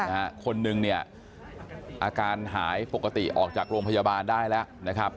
คนหนึ่งเนี่ยอาการหายปกติออกจากโรงพยาบาลได้แล้วนะครับ